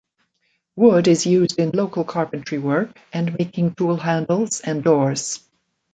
Wood is used in local carpentry work and making tool handles and doors.